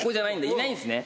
いないんすね？